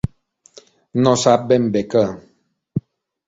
No sap ben bé què.